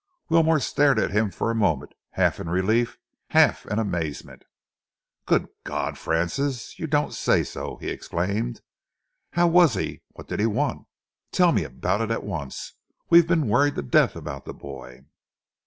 Wilmore stared at him for a moment, half in relief, half in amazement. "Good God, Francis, you don't say so!" he exclaimed. "How was he? What did he want? Tell me about it at once? We've been worried to death about the boy."